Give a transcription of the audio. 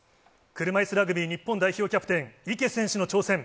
車いすラグビー日本代表キャプテン、池選手の挑戦。